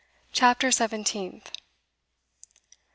CHAPTER SEVENTEENTH.